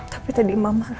tapi tadi mama